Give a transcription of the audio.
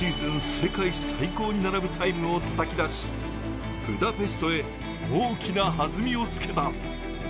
世界最高に並ぶタイムをたたき出し、ブダペストへ大きなはずみをつけた。